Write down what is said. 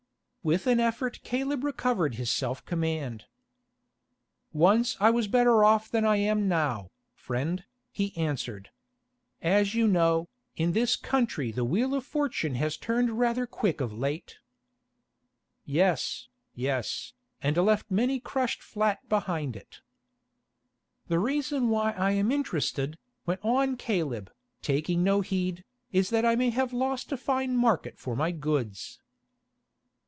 With an effort Caleb recovered his self command. "Once I was better off than I am now, friend," he answered. "As you know, in this country the wheel of fortune has turned rather quick of late." "Yes, yes, and left many crushed flat behind it." "The reason why I am interested," went on Caleb, taking no heed, "is that I may have lost a fine market for my goods."